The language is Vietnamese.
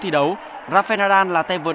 thi đấu rafael nadal là tay vượt